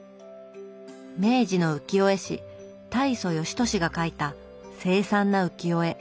明治の浮世絵師大蘇芳年が描いた凄惨な浮世絵。